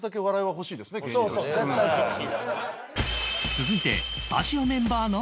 続いて